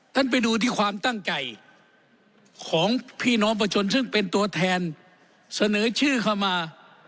ท่านไปดูที่ความตั้งใจของพี่น้องประชาชนซึ่งเป็นตัวแทนเสนอชื่อเข้ามา